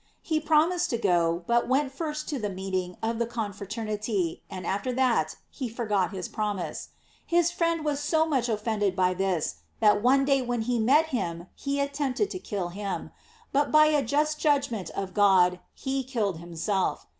He promised to gq but went first to the meeting of the confraternity, and after that he forgot his promise. His friend was so much offended by this, that one day when he met him he attempted to kill him; but, by a just judgment of God, he killed himself.